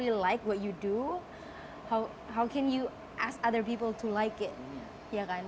bagaimana kamu bisa meminta orang lain untuk menyukainya